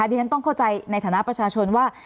เพราะฉะนั้นต้องเข้าใจในฐานะประชาชนว่า